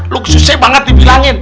lu susah banget dibilangin